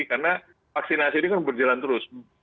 karena vaksinasi ini kan berjalan terus